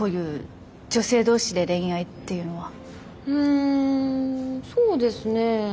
んそうですね。